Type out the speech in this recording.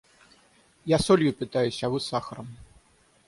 Я солью питаюсь, а вы сахаром.